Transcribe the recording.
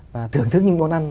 và thưởng thức những món ăn